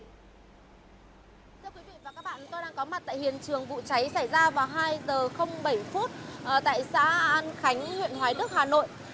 thưa quý vị và các bạn tôi đang có mặt tại hiện trường vụ cháy xảy ra vào hai h bảy phút tại xã an khánh huyện hoài đức hà nội